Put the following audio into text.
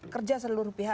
kerja seluruh pihak